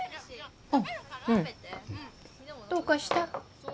あっうんうんどうかした？